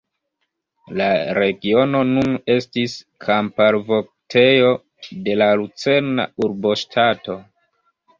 La regiono nun estis kamparvoktejo de la lucerna urboŝtato.